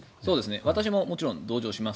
私ももちろん同情します。